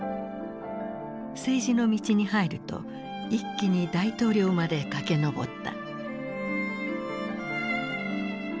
政治の道に入ると一気に大統領まで駆け上った。